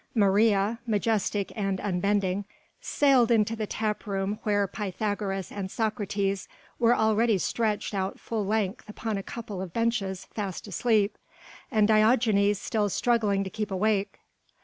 Maria, majestic and unbending, sailed into the tap room where Pythagoras and Socrates were already stretched out full length upon a couple of benches fast asleep and Diogenes still struggling to keep awake.